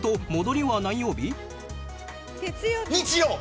日曜。